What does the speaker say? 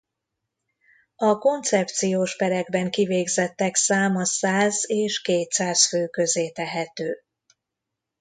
A koncepciós perekben kivégzettek száma száz és kétszáz fő közé tehető.